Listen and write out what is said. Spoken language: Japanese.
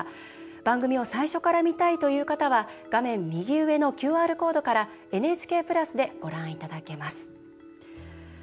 番組を最初から見たいという方は画面右上のＱＲコードからＮＨＫプラスでご覧いただけます。